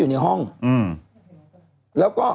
ถูก